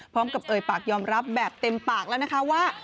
พร้อมกับเอ๋ยปากยอมรับแบบเต็มปากแล้วนะคะว่า